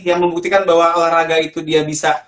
yang membuktikan bahwa olahraga itu dia bisa